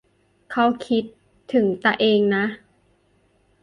เค้าคิดถึงตะเองนะ